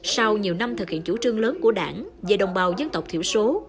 sau nhiều năm thực hiện chủ trương lớn của đảng về đồng bào dân tộc thiểu số